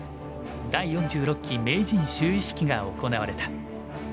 第４６期名人就位式が行われた。